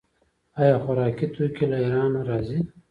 آیا خوراکي توکي له ایران نه راځي؟